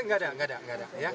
eh enggak ada enggak ada